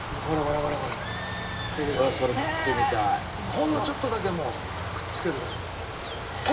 ほんのちょっとだけもうくっつけるだけで。